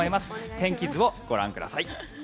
天気図をご覧ください。